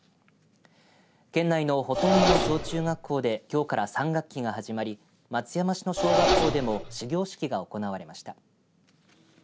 県内のほとんどの小中学校できょうから３学期が始まり松山市の小学校でも始業式が行われました。